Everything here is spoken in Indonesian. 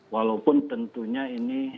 walaupun tentunya ini